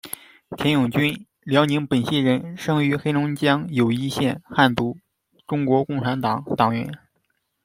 田永君，辽宁本溪人，生于黑龙江友谊县，汉族，中国共产党党员。